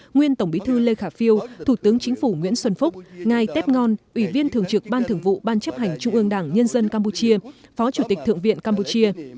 nguyên tổng bí thư lê khả phiêu thủ tướng chính phủ nguyễn xuân phúc ngài tép ngon ủy viên thường trực ban thường vụ ban chấp hành trung ương đảng nhân dân campuchia phó chủ tịch thượng viện campuchia